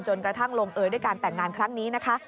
กระทั่งลงเอยด้วยการแต่งงานครั้งนี้นะคะ